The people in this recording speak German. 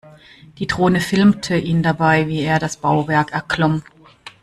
Die Drohne filmte ihn dabei, wie er das Bauwerk erklomm.